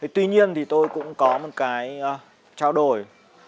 tuy nhiên thì tôi cũng có một cái trao đổi